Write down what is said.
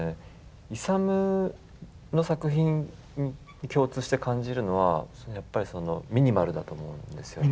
イサムの作品に共通して感じるのはやっぱりそのミニマルだと思うんですよね。